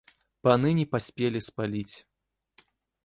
Паны не паспелі спаліць.